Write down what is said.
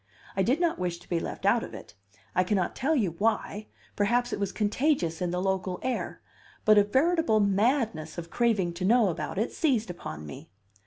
I did not wish to be left out of it; I cannot tell you why perhaps it was contagious in the local air but a veritable madness of craving to know about it seized upon me.